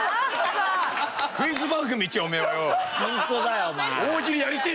クイズ番組行け！